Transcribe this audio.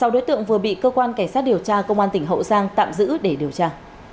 sáu đối tượng vừa bị cơ quan cảnh sát điều tra công an tỉnh hậu giang tạm giữ để điều tra